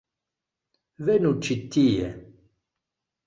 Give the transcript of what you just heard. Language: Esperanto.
Venu ĉi tie